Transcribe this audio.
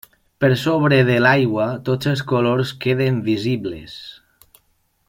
Per sobre de l'aigua, tots els colors queden visibles.